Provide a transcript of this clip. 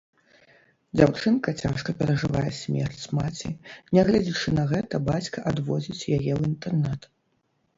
Дзяўчынка цяжка перажывае смерць маці, нягледзячы на гэта, бацька адвозіць яе ў інтэрнат.